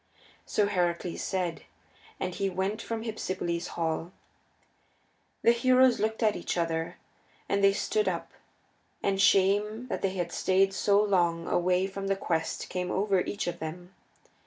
So Heracles said, and he went from Hypsipyle's hall. The heroes looked at each other, and they stood up, and shame that they had stayed so long away from the quest came over each of them.